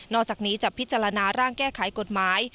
อกจากนี้จะพิจารณาร่างแก้ไขกฎหมาย